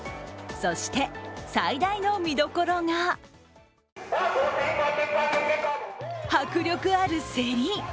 そして、最大の見どころが迫力ある競り。